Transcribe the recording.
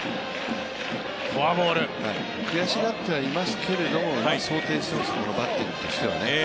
悔しがってはいるけれども想定してます、バッターとしてはね。